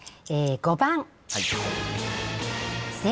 ５番。